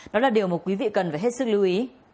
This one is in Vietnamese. đó là điều mà quý vị cần phải hết sức lưu ý